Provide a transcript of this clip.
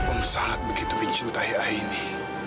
om sangat begitu mencintai aini